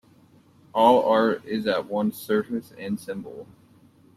All art is at once surface and symbol.